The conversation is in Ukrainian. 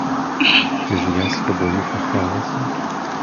Чи ж я з тобою кохалася?